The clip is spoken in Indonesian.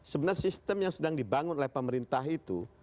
sebenarnya sistem yang sedang dibangun oleh pemerintah itu